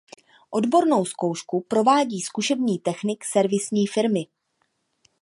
Odbornou zkoušku provádí zkušební technik servisní firmy.